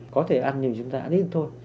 có thể ăn nhưng chúng ta ăn đi thì thôi